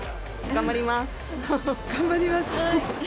頑張ります。